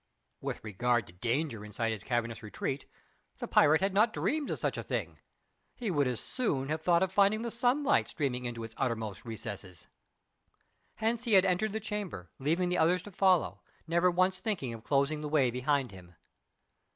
With regard to danger inside his cavernous retreat, the pirate had not dreamed of such a thing. He would as soon have thought of finding the sunlight streaming into its uttermost recesses. Hence he had entered the chamber, leaving the others to follow, never once thinking of closing the way behind him.